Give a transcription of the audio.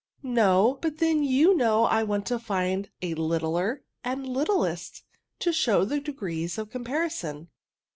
'*" No ; but then you know I want to find a Uttler and a Uttlest, to show the degrees of comparison."